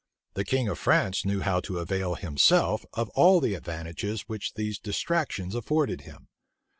[A] The king of France knew how to avail himself of all the advantages which these distractions afforded him.